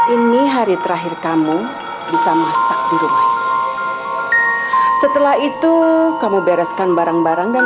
ini hari terakhir kamu bisa masak di rumah setelah itu kamu bereskan barang barang dan